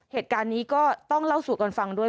เหตุการณ์นี้ก็ต้องเล่าสู่กันฟังด้วย